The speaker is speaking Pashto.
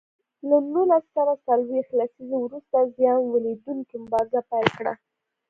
له نولس سوه څلویښت لسیزې وروسته زیان ولیدوونکو مبارزه پیل کړه.